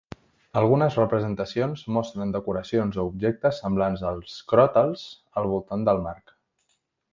Algunes representacions mostren decoracions o objectes semblants als cròtals al voltant del marc.